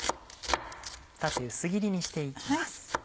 縦薄切りにして行きます。